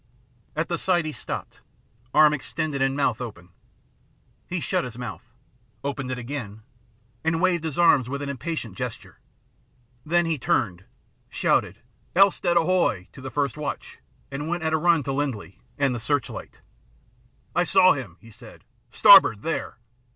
At the sight he stopped, arm extended and mouth open. He shut his mouth, opened it again, and waved his arms with an impatient gesture. Then he turned, shouted " El stead ahoy !" to the first watch, and went at a run to Lindley and the search light. " I saw him," he said. " Starboard there